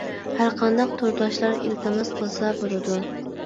ھەر قانداق تورداشلار ئىلتىماس قىلسا بولىدۇ.